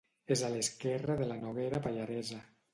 És a l'esquerra de la Noguera Pallaresa.